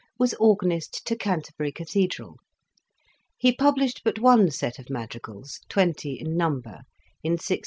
was Organ ist to Canterbury Cathedral. He published but one set of madrigals, twenty in number, in 1612.